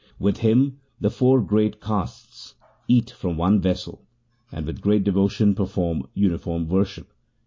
With him the four great castes eat from one vessel, and with great devotion perform uniform worship.